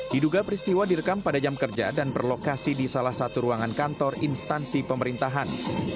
diduga peristiwa direkam pada jam kerja dan berlokasi di salah satu ruangan kantor instansi pemerintahan